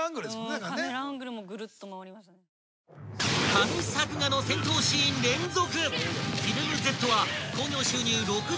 ［神作画の戦闘シーン連続！］